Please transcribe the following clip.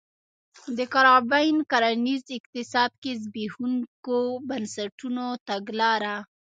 د کارابین کرنیز اقتصاد کې د زبېښونکو بنسټونو تګلاره